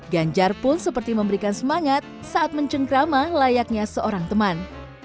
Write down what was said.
ganjar pun seperti memberikan semangat saat mencengkrama layaknya seorang teman